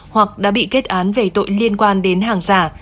hoặc đã bị kết án về tội liên quan đến hàng giả